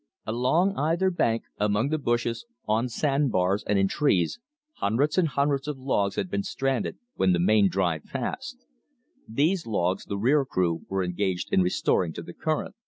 Along either bank, among the bushes, on sandbars, and in trees, hundreds and hundreds of logs had been stranded when the main drive passed. These logs the rear crew were engaged in restoring to the current.